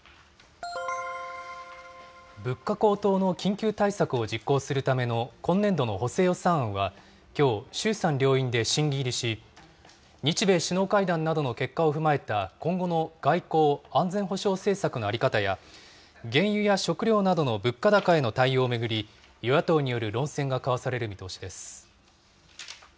物価高騰の緊急対策を実行するための今年度の補正予算案は、きょう衆参両院で審議入りし、日米首脳会談などの結果を踏まえた今後の外交・安全保障政策の在り方や、原油や食料などの物価高への対応を巡り、与野党による論戦が交わされる見通しです。